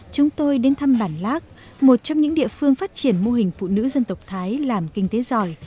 chúng tôi đến thăm bản lác một trong những địa phương phát triển mô hình phụ nữ dân tộc thái làm kinh tế giỏi